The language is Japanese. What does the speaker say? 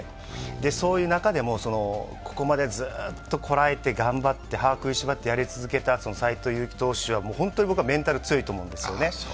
そういう中でも、ここまでずっと堪えて頑張って歯を食いしばってやり続けた斎藤佑樹選手は本当に僕はメンタル強いと思うんですよね。